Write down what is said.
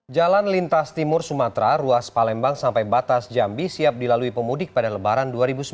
jalan lintas timur sumatera ruas palembang sampai batas jambi siap dilalui pemudik pada lebaran dua ribu sembilan belas